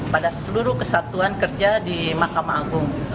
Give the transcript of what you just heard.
pada seluruh kesatuan kerja di mahkamah agung